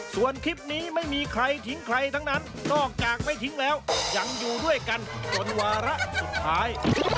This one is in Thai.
ส่วนคลิปนี้ไม่มีใครทิ้งใครทั้งนั้นนอกจากไม่ทิ้งแล้วยังอยู่ด้วยกันจนวาระสุดท้าย